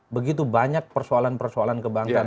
begitu banyak persoalan persoalan kebangsaan